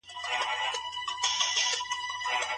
آيا خاوند له ميرمني څخه ميراث وړلای سي؟